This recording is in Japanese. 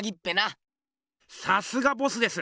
さすがボスです！